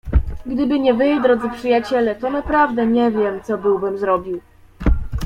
"Gdyby nie wy, drodzy przyjaciele, to naprawdę nie wiem, co byłbym zrobił."